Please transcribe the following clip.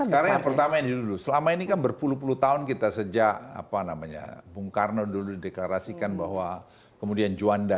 sekarang yang pertama ini dulu selama ini kan berpuluh puluh tahun kita sejak apa namanya bung karno dulu dideklarasikan bahwa kemudian juanda